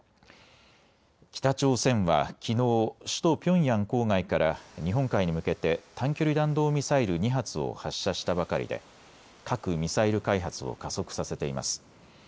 北朝鮮はきのう、首都ピョンヤン郊外から日本海に向けて短距離弾道ミサイル２発を発射したばかりで核・ミサイル開発を加速させています。